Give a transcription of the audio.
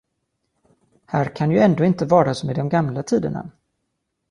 Här kan ju ändå inte vara som i de gamla tiderna.